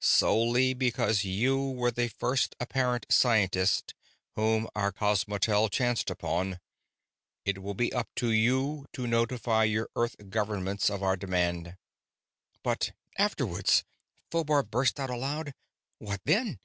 "Solely because you were the first apparent scientist whom our cosmotel chanced upon. It will be up to you to notify your Earth governments of our demand." "But afterwards!" Phobar burst out aloud. "What then?"